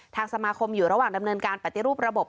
ทางสมาคมอยู่ระหว่างดำเนินการปฏิรูประบบ